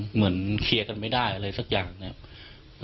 เหมือนแคร์ไกลกันไม่ได้อะไรสักอย่างกันน่ะเนี้ย